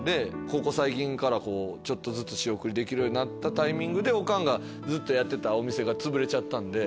ここ最近ちょっとずつ仕送りできるようになったタイミングでオカンがずっとやってたお店がつぶれちゃったんで。